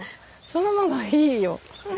そのままいいよ。